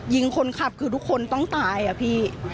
ยิงคนขับคือทุกคนต้องตายอะพี่